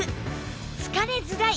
「疲れづらい！」